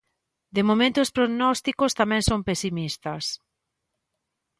De momento os prognósticos tamén son pesimistas.